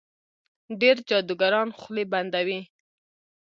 ډېر جادوګران خولې بندوي.